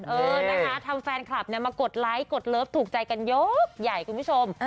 เออนะคะทำแฟนคลับมากดไลค์กดเลิฟถูกใจกันยกใหญ่คุณผู้ชม